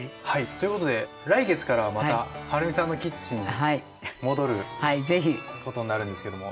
ということで来月からはまたはるみさんのキッチンに戻ることになるんですけども。